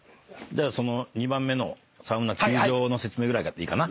その２番目のサウナ・球場の説明ぐらいからでいいかな。